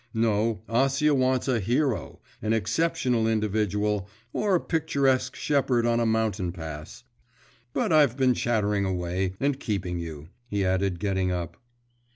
No, Acia wants a hero an exceptional individual or a picturesque shepherd on a mountain pass. But I've been chattering away, and keeping you,' he added, getting up.